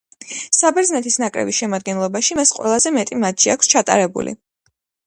საბერძნეთის ნაკრების შემადგენლობაში მას ყველაზე მეტი მატჩი აქვს ჩატარებული.